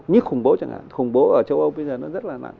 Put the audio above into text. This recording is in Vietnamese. như khủng bố chẳng hạn khủng bố ở châu âu bây giờ nó rất là nặng